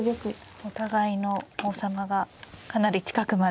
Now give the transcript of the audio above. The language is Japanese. お互いの王様がかなり近くまで。